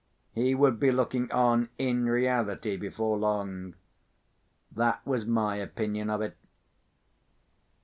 He would be looking on, in reality, before long—that was my opinion of it.